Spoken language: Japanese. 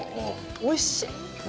おいしい。